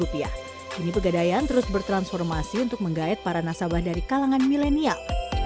kini pegadaian terus bertransformasi untuk menggait para nasabah dari kalangan milenial